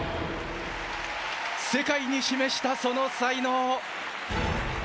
世界に示した、その才能！